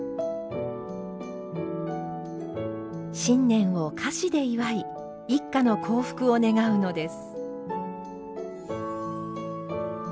新年を菓子で祝い一家の幸福を願うのです。